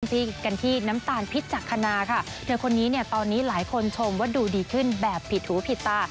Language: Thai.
ที่กันที่น้ำตาลพิษจักษณาค่ะเธอคนนี้เนี่ยตอนนี้หลายคนชมว่าดูดีขึ้นแบบผิดหูผิดตา